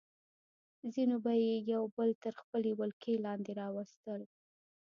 ځینو به یې یو بل تر خپلې ولکې لاندې راوستل.